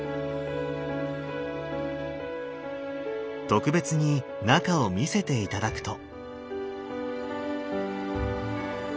特別に中を見せて頂くと。